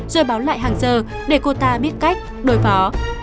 rồi báo lại hàng giờ để cô ta biết cách đối phó